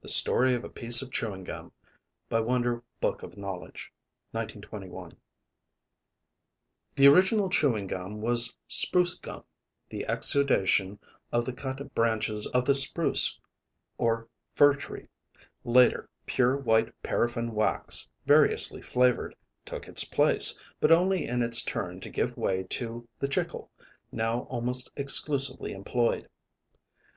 The Story of a Piece of Chewing Gum The original "chewing gum" was spruce gum, the exudation of the cut branches of the spruce or fir tree. Later, pure white paraffin wax, variously flavored, took its place, but only in its turn to give way to the "chicle" now almost exclusively employed.